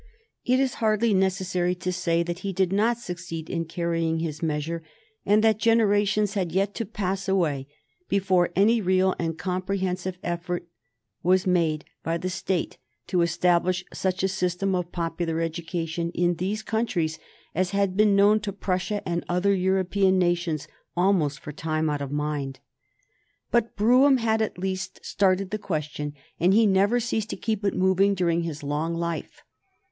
It is hardly necessary to say that he did not succeed in carrying his measure, and that generations had yet to pass away before any real and comprehensive effort wag made by the State to establish such a system of popular education in these countries as had been known to Prussia and other European nations almost for time out of mind. But Brougham had at least started the question, and he never ceased to keep it moving during his long life.